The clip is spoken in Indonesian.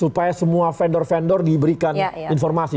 supaya semua vendor vendor diberikan informasi